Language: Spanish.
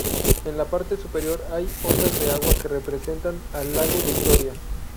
En la parte superior hay ondas de agua que representan al Lago Victoria.